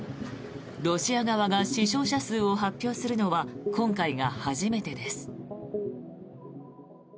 ロシア側が死傷者数を発表するのは今回が初めてです。